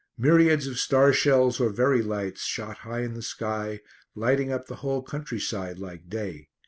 Myriads of star shells or Verey lights shot high in the sky, lighting up the whole country side like day.